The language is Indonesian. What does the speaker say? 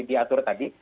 di atur tadi